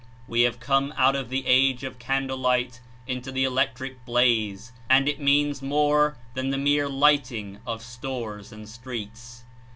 We have come out of the age of candle light into the electric blaze, and It means more than the mere lighting of Light stores and streets.